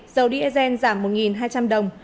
dầu diesel giảm một hai trăm linh đồng